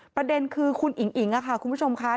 ประเด็นคือคุณอิ๋งอิ๋งค่ะคุณผู้ชมค่ะ